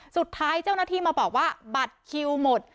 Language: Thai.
สุดท้ายเจ้าหน้าที่มาบอกว่าบัตรคิวหมด